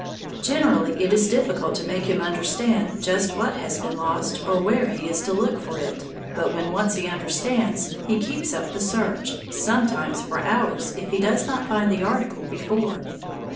Generally it is difficult to make him understand just what has been lost or where he is to look for it, but when once he understands, he keeps up the search, sometimes for hours if he does not find the article before.